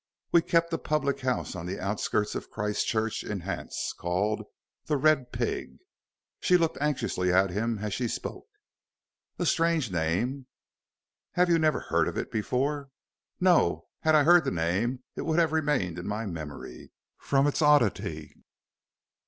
We kept a public house on the outskirts of Christchurch in Hants, called 'The Red Pig.'" She looked anxiously at him as she spoke. "A strange name." "Have you never heard of it before?" "No. Had I heard the name it would have remained in my memory, from its oddity."